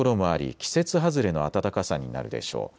季節外れの暖かさになるでしょう。